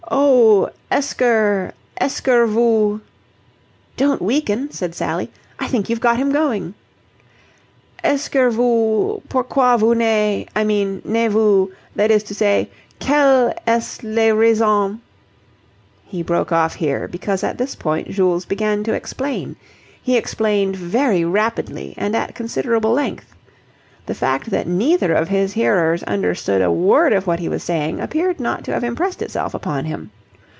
"Oh, esker... esker vous..." "Don't weaken," said Sally. "I think you've got him going." "Esker vous... Pourquoi vous ne... I mean ne vous... that is to say, quel est le raison..." He broke off here, because at this point Jules began to explain. He explained very rapidly and at considerable length. The fact that neither of his hearers understood a word of what he was saying appeared not to have impressed itself upon him.